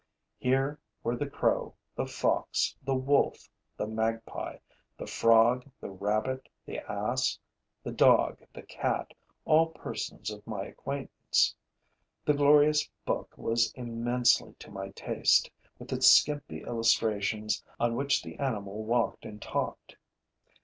Here were the crow, the fox, the wolf, the magpie, the frog, the rabbit, the ass, the dog, the cat: all persons of my acquaintance. The glorious book was immensely to my taste, with its skimpy illustrations on which the animal walked and talked.